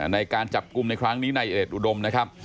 ในการจับกลุ่มในครั้งนี้ในเอชอุดมนะครับ